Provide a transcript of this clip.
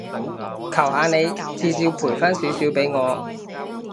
求下你，至少賠返少少畀我